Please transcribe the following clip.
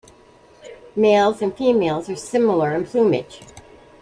Males and females are similar in plumage.